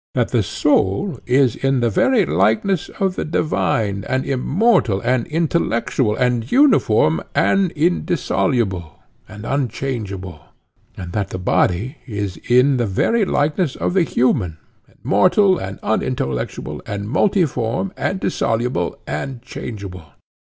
—that the soul is in the very likeness of the divine, and immortal, and intellectual, and uniform, and indissoluble, and unchangeable; and that the body is in the very likeness of the human, and mortal, and unintellectual, and multiform, and dissoluble, and changeable.